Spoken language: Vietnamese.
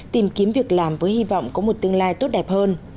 tìm kiếm việc làm với hy vọng có một tương lai tốt đẹp hơn